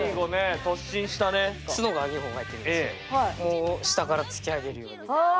ツノが２本生えてるんですけどもう下から突き上げるように。